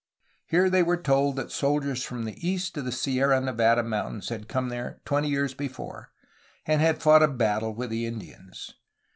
Here they were told that soldiers from east of the Sierra Nevada Mountains had come there twenty years before, and had fought a battle with the Indians.